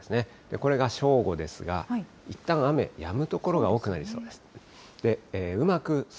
これが正午ですが、いったん雨、やむ所が多くなりそうです。